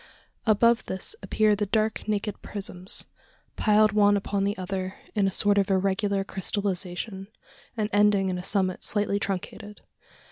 Above this appear the dark naked prisms piled one upon the other, in a sort of irregular crystallisation, and ending in a summit slightly truncated.